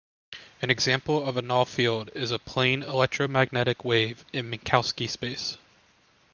An example of a null field is a plane electromagnetic wave in Minkowski space.